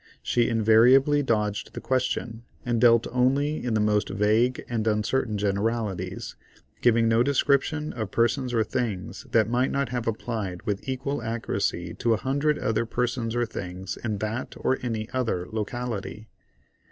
She invariably dodged the question, and dealt only in the most vague and uncertain generalities—giving no description of persons or things that might not have applied with equal accuracy to a hundred other persons or things in that or any other locality.